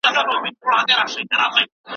څېړنه تر عادي تدریس ډېر وخت غواړي.